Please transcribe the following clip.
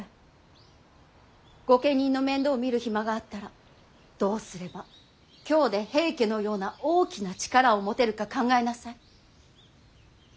御家人の面倒を見る暇があったらどうすれば京で平家のような大きな力を持てるか考えなさい。